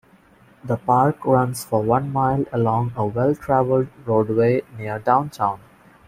The park runs for one mile along a well-traveled roadway near downtown.